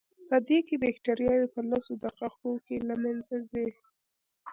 پدې کې بکټریاوې په لسو دقیقو کې له منځه ځي.